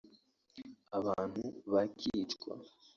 abantu bakicwa